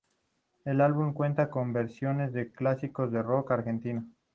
El álbum cuenta con versiones de clásicos del rock argentino.